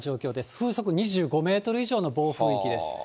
風速２５メートル以上の暴風域です。